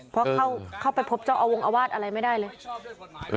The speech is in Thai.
เพราะเข้าไปพบเจ้าอาวงอวาสอะไรไม่ได้เลย